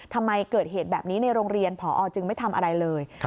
ทำไมเกิดเหตุแบบนี้ในโรงเรียนพอจึงไม่ทำอะไรเลย